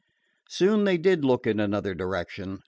Soon they did look in another direction.